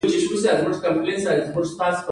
د پسونو وړۍ غالۍ جوړوي